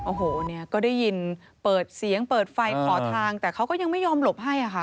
โอ้โหเนี่ยก็ได้ยินเปิดเสียงเปิดไฟขอทางแต่เขาก็ยังไม่ยอมหลบให้ค่ะ